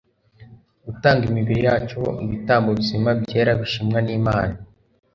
gutanga imibiri yacu ho ibitambo bizima byera bishimwa nImana